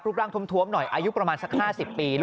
รูปร่างท้มหน่อยอายุประมาณซักห้าสิบปี